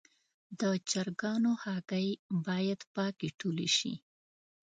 د چرګانو هګۍ باید پاکې ټولې شي.